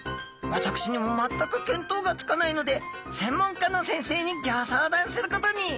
私にも全く見当がつかないので専門家の先生にギョ相談することに！